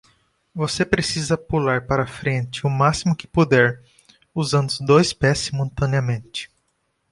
Você precisa pular para frente o máximo que puder, usando os dois pés simultaneamente.